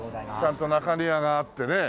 ちゃんと中庭があってね。